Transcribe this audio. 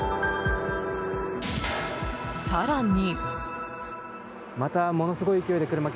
更に。